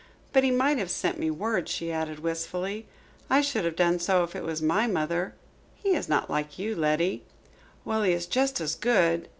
But he might have sent me word," she added wistfully. "I should have done so if it was my mother." "He is not like you, Letty." "Well, he is just as good."